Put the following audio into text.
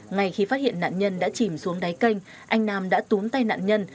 ngay khi phát hiện nạn nhân đã chìm xuống đáy kênh anh nam đã túm tay nạn nhân